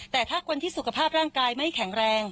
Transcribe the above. แต่ถ้าคนที่สุขภาพร่างกายไม่แข็งแรง